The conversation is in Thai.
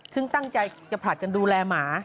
ซึ่งตั้งใจจะผลัดกันดูแลหมา